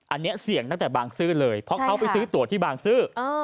อันนี้เสี่ยงตั้งแต่บางซื่อเลยเพราะเขาไปซื้อตัวที่บางซื่อ